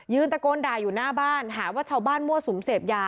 ตะโกนด่าอยู่หน้าบ้านหาว่าชาวบ้านมั่วสุมเสพยา